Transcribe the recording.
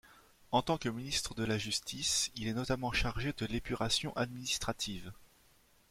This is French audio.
En tant que ministre de la Justice, il est notamment chargé de l'épuration administrative.